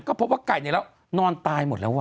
ก็พบว่าไก่เนี่ยแล้วนอนตายหมดแล้ว